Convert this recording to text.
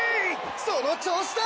その調子だ！